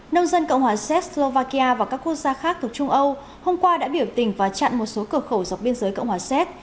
nông dân cộng hòa z slovakia và các quốc gia khác thuộc trung âu hôm qua đã biểu tình và chặn một số cửa khẩu dọc biên giới cộng hòa séc